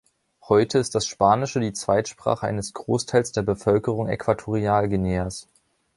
Heute ist das Spanische die Zweitsprache eines Großteils der Bevölkerung Äquatorialguineas.